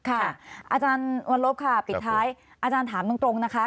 อาจารย์วันลบค่ะปิดท้ายอาจารย์ถามตรงนะคะ